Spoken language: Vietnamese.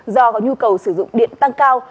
do có nhu cầu sử dụng điện tăng cao